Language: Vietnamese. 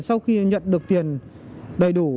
sau khi nhận được tiền đầy đủ